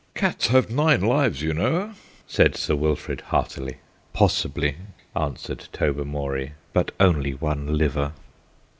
"Cats have nine lives, you know," said Sir Wilfrid heartily. "Possibly," answered Tobermory; "but only one liver."